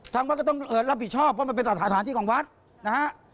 ทางวัดก็ต้องรับผิดชอบเพราะมันเป็นสถานที่ของวัดนะฮะ